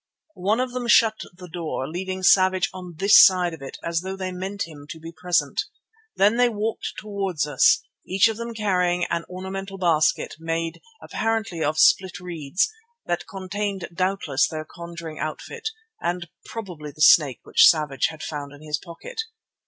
One of them shut the door, leaving Savage on this side of it as though they meant him to be present. Then they walked towards us, each of them carrying an ornamental basket made apparently of split reeds, that contained doubtless their conjuring outfit and probably the snake which Savage had found in his pocket.